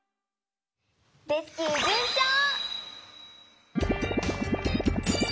レスキューじゅんちょう！